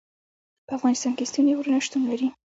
په افغانستان کې ستوني غرونه شتون لري.